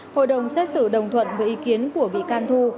hội đồng xét xử đồng thuận với ý kiến của bị can thu